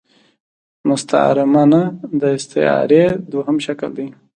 مستعارمنه د ا ستعارې دوهم شکل دﺉ.